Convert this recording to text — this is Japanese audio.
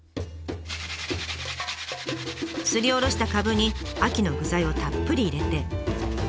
すりおろしたかぶに秋の具材をたっぷり入れて。